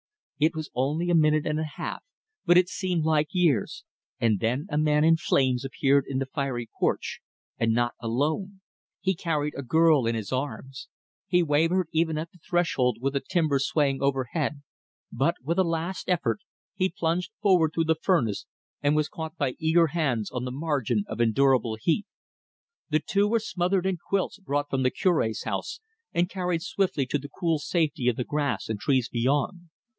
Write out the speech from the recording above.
It was only a minute and a half, but it seemed like years, and then a man in flames appeared in the fiery porch and not alone. He carried a girl in his arms. He wavered even at the threshold with the timbers swaying overhead, but, with a last effort, he plunged forward through the furnace, and was caught by eager hands on the margin of endurable heat. The two were smothered in quilts brought from the Cure's house, and carried swiftly to the cool safety of the grass and trees beyond.